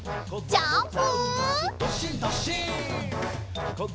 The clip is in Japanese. ジャンプ！